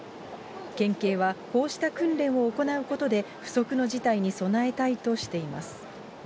県警はこうした訓練を行うことで、不測の事態に備えたいとしています。